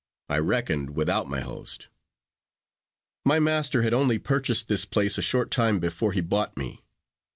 I reckoned without my host. My master had only purchased this place a short time before he bought me.